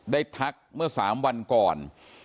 ได้ทักเมื่อสามวันก่อน